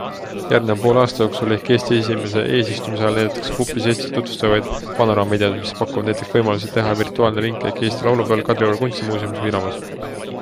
Järgneva poole aasta jooksul ehk Eesti eesistumise ajal näidatakse kuplis Eestit tutvustavaid panoraamvideoid, mis pakuvad näiteks võimaluse teha virtuaalne ringkäik Eesti laulupeol, Kadrioru kuntsimuuseumis või rabas.